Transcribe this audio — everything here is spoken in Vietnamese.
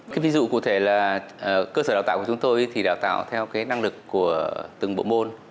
cái ví dụ cụ thể là cơ sở đào tạo của chúng tôi thì đào tạo theo cái năng lực của từng bộ môn